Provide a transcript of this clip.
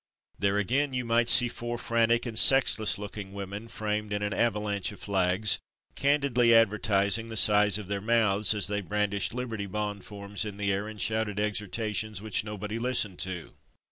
There again you might see four frantic and sexless looking women, framed in an avalanche of flags, candidly advertising the size of their mouths as they brandished Liberty Bond forms in the air and shouted exhortations, which nobody listened to.